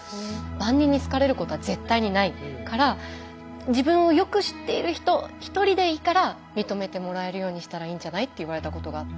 万人に好かれることは絶対にないから自分をよく知っている人一人でいいから認めてもらえるようにしたらいいんじゃないって言われたことがあって。